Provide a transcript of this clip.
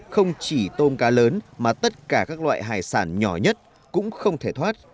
không chỉ tôm cá lớn mà tất cả các loại hải sản nhỏ nhất cũng không thể thoát